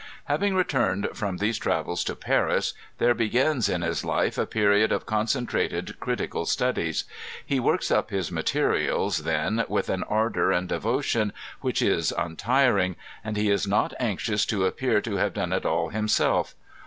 Having returned from these travels to Paris, there begins in bis life a period of concentrated critical studies. He works up his materials then Digitized by Google Prof. Agasriz'i Eulogy on Humboldt. 109 with an ardor and devotion which is untiring; and he is not anxious to appear to have done it all himself.